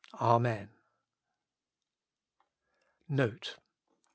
Amen. NOTE.